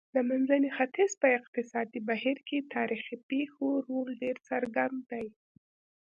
د منځني ختیځ په اقتصادي بهیر کې تاریخي پېښو رول ډېر څرګند دی.